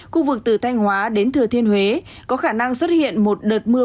khu vực từ thanh hóa đến thừa thiên huế có khả năng xuất hiện một đợt mưa